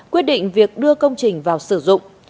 quyết định việc đưa công trình vào sử dụng